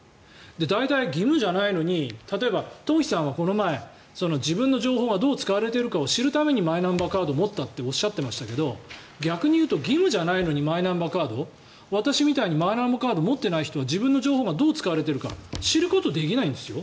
大体、義務じゃないのに例えば、東輝さんはこの前、自分の情報がどう使われているかを知るためにマイナンバーカードを持ったっておっしゃっていましたけど逆に言うと義務じゃないのにマイナンバーカード私みたいにマイナンバーカードを持っていない人は自分の情報がどう使われているか知ることができないんですよ。